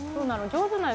上手！